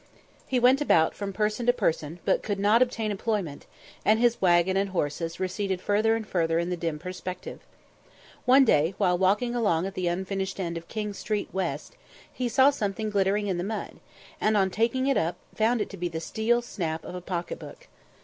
He went about from person to person, but could not obtain employment, and his waggon and horses receded further and further in the dim perspective. One day, while walking along at the unfinished end of King Street West, he saw something glittering in the mud, and, on taking it up, found it to be the steel snap of a pocket book.